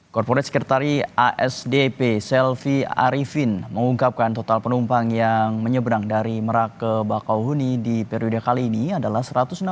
korporat sekretari asdp selvi arifin mengungkapkan total penumpang yang menyeberang dari meraka ke bakau huni di periode kali ini adalah